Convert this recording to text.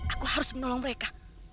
aku harus menolong mereka